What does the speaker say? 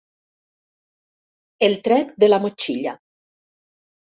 El trec de la motxilla.